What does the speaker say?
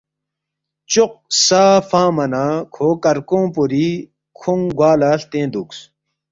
چوق سا فنگما نہ کھو کرکونگ پوری کھونگ گوا لہ ہلتین دُوکس